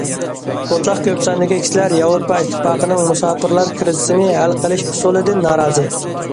مۇتلەق كۆپ ساندىكى كىشىلەر ياۋروپا ئىتتىپاقىنىڭ مۇساپىرلار كىرىزىسىنى ھەل قىلىش ئۇسۇلىدىن نارازى.